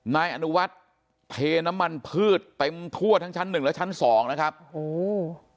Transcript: นายอนุวัฒน์เทน้ำมันพืชเต็มทั่วทั้งชั้นหนึ่งและชั้นสองนะครับโอ้โห